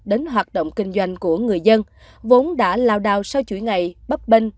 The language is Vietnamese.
đến hoạt động kinh doanh của người dân vốn đã lao đào sau chuỗi ngày bắp bình